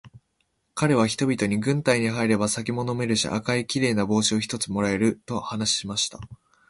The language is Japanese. かれは人々に、軍隊に入れば酒は飲めるし、赤いきれいな帽子を一つ貰える、と話しました。